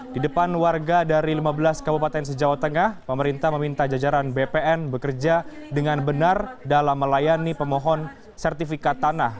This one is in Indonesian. di depan warga dari lima belas kabupaten se jawa tengah pemerintah meminta jajaran bpn bekerja dengan benar dalam melayani pemohon sertifikat tanah